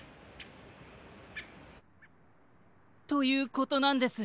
ということなんです。